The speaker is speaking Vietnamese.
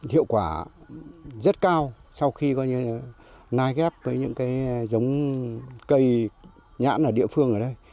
hiệu quả rất cao sau khi nai ghép với những cây nhãn ở địa phương ở đây